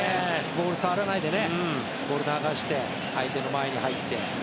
ボール触らないで流して相手の前に入って。